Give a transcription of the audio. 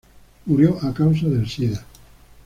Murió a causa del sida.